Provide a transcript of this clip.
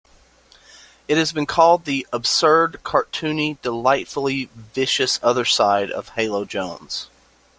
It has been called the "absurd, cartoony, delightfully vicious other side of "Halo Jones".